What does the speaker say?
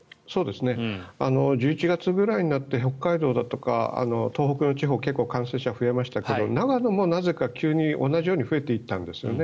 １１月くらいになって北海道だとか東北地方は結構、感染者が増えましたけど長野もなぜか急に同じように増えていったんですよね。